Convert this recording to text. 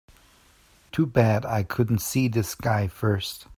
Too bad I couldn't see this guy first.